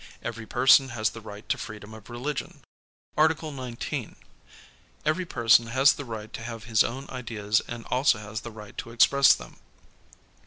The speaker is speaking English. Every person has the right to freedom of religion. Article 19. Every person has the right to ha\(' his own ideas and also has the right to express them.